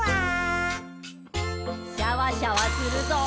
シャワシャワするぞ。